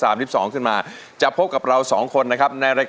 และเงินที่สะสมมาจะตกเป็นของผู้ที่ร้องถูก